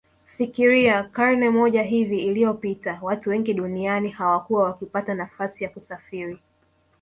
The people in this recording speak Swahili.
Fikiria karne moja hivi iliyopita watu wengi duniani hawakuwa wakipata nafasi ya kusafiri